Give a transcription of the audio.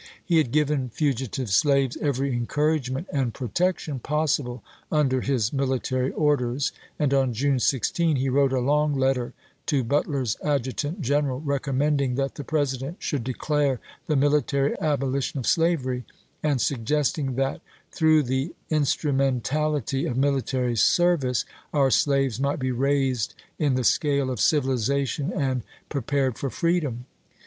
He had given fugitive slaves every encouragement and protection possible under his military orders, and on June 16 he wrote a long letter to Butler's adjutant general recommending that the President should declare the military aboli tion of slavery, and suggesting that " through the instrumentality of military service ... our slaves might be raised in the scale of civilization and pre pared for freedom.